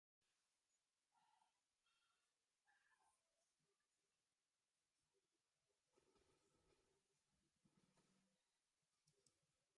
Esta es la temporada más violenta.